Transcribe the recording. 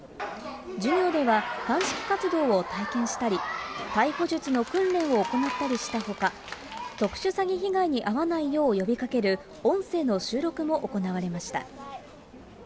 授業では鑑識活動を体験したり、逮捕術の訓練を行ったりしたほか、特殊詐欺被害に遭わないよう呼びかける音声の収録も行われました。